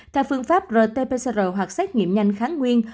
theo phương pháp rt pcr hoặc xét nghiệm nhanh kháng nguyên